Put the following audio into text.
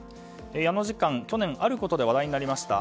矢野次官、去年あることで話題になりました。